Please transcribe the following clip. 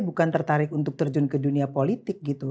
bukan tertarik untuk terjun ke dunia politik gitu